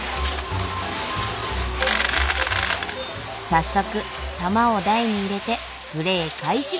早速玉を台に入れてプレー開始！